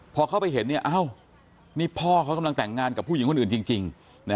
พอเข้าไปเห็นนี่พ่อเขากำลังแต่งงานกับผู้หญิงคนอื่นจริง